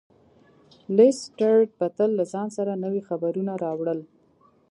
لیسټرډ به تل له ځان سره نوي خبرونه راوړل.